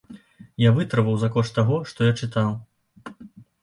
Я вытрываў за кошт таго, што я чытаў.